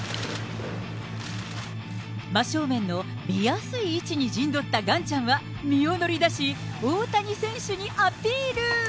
真正面の見やすい位置に陣取ったガンちゃんは身を乗り出し、大谷選手にアピール。